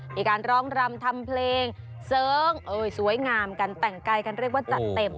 มีการร้องรำทำเพลงเสริงสวยงามกันแต่งกายกันเรียกว่าจัดเต็ม